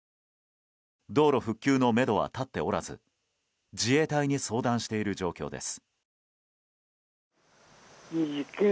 道路復旧のめどは立っておらず自衛隊に相談している状況です。